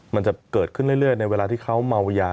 มันจะเกิดขึ้นเรื่อยในเวลาที่เขาเมายา